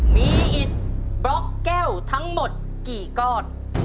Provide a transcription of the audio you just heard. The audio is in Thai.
มีอิดบล็อกแก้วทั้งหมดกี่ก้อน